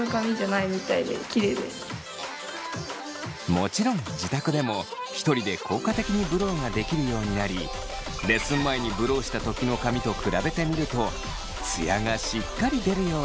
もちろん自宅でも１人で効果的にブローができるようになりレッスン前にブローした時の髪と比べてみるとツヤがしっかり出るように！